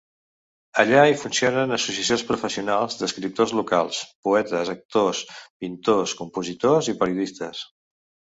Allà hi funcionen associacions professionals d'escriptors locals, poetes, actors, pintors, compositors i periodistes.